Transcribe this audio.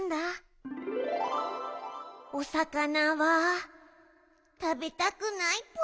かいそうおさかなはたべたくないぽよん。